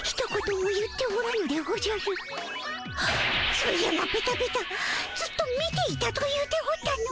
そういえばペタペタずっと見ていたと言うておったの。